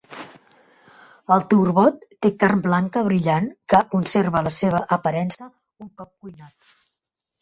El turbot té carn blanca brillant que conserva la seva aparença un cop cuinat.